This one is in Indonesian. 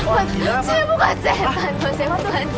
mas aku takut aku takut